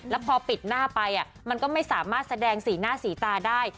แล้วพอปิดหน้าไปมันก็ไม่สามารถแสดงสีหน้าสีตาได้